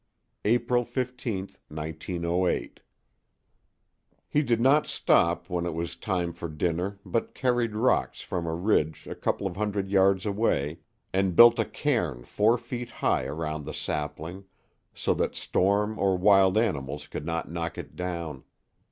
April 15, 1908 He did not stop when it was time for dinner, but carried rocks from a ridge a couple of hundred yards away, and built a cairn four feet high around the sapling, so that storm or wild animals could not knock it down.